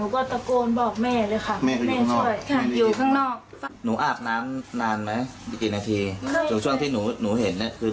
แค่ก่อนอำน้ำหนูก็หันซ้ายหันขวามองแล้วไม่เห็นค่ะ